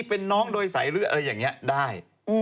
เป็นน้องโดยใสหรืออะไรอย่างนี้ได้